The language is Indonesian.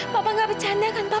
pak papa gak bercanda kan pak